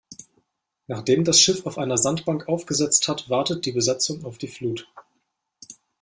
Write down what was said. Nachdem das Schiff auf einer Sandbank aufgesetzt hat, wartet die Besatzung auf die Flut.